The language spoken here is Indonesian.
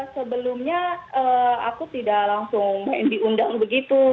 sebelumnya aku tidak langsung main diundang begitu